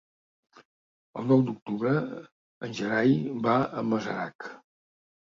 El nou d'octubre en Gerai va a Masarac.